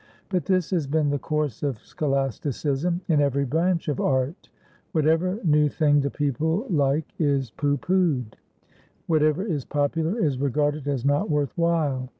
But this has been the course of scholasticism in every branch of art. Whatever new thing the people like is pooh poohed; whatever is popular is regarded as not worth while.